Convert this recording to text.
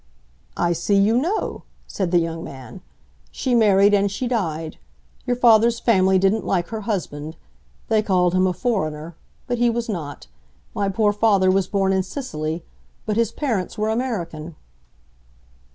"I see you know," said the young man. "She married and she died. Your father's family didn't like her husband. They called him a foreigner; but he was not. My poor father was born in Sicily, but his parents were American."